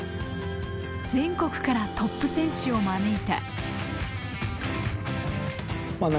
全国からトップ選手を招いた。